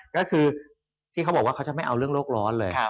ก็คือที่เขาบอกว่าเขาจะไม่เอาเรื่องโลกร้อนเลย